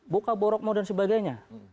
buka borok mau dan sebagainya